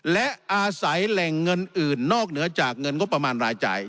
และอาศัยแหล่งเงินอื่นนอกเหนือจากเงินงบประมาณรายจ่าย